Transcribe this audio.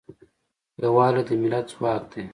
یوالی د ملت ځواک دی.